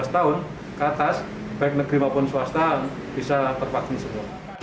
lima belas tahun ke atas baik negeri maupun swasta bisa tervaksin semua